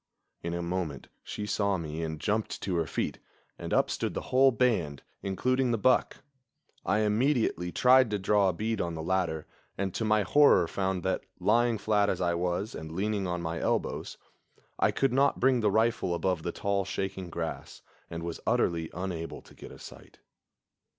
In a moment she saw me and jumped to her feet, and up stood the whole band, including the buck. I immediately tried to draw a bead on the latter, and to my horror found that, lying flat as I was, and leaning on my elbows. I could not bring the rifle above the tall, shaking grass, and was utterly unable to get a sight.